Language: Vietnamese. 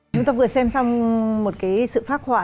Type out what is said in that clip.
chúng ta vừa xem xong một sự phác họa